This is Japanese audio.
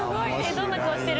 どんな顔してる？